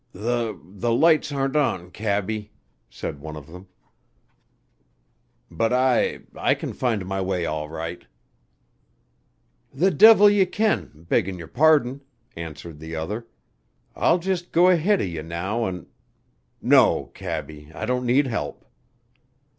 "The the lights aren't on, cabby," said one of them; "but I I can find my way all right." "The divil ye can, beggin' yer pardon," answered the other. "I'll jist go ahead of ye now an' " "No, cabby, I don't need help."